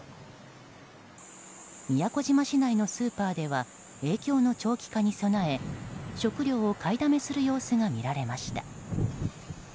宮古島市内のスーパーでは影響の長期化に備え食料を買いだめする様子が見られました。